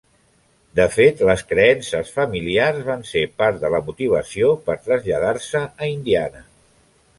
De fet les creences familiars van ser part de la motivació per traslladar-se a Indiana.